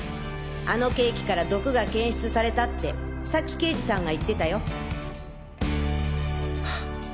あのケーキから毒が検出されたってさっき刑事さんが言ってたよ。